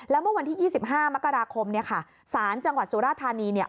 แล้วเมื่อวันที่๒๕มกราคมสารจังหวัดสุรธานี